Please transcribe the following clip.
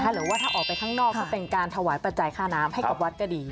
หรือว่าถ้าออกไปข้างนอกก็เป็นการถวายปัจจัยค่าน้ำให้กับวัดก็ดี